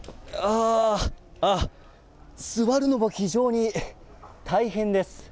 座るのも非常に大変です。